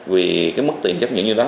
vì cái mức tiền chấp nhận như đó